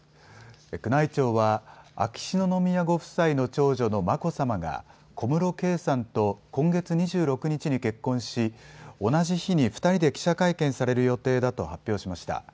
宮内庁は秋篠宮ご夫妻の長女の眞子さまが小室圭さんと今月２６日に結婚し同じ日に２人で記者会見される予定だと発表しました。